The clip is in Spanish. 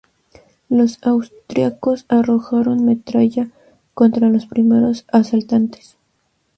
Los austriacos arrojaron metralla contra los primeros asaltantes.